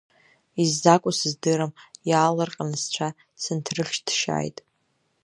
Иззакәу сыздырам, иаалырҟьаны сцәа сынҭрыхьҭшьааит.